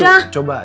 gak mau capek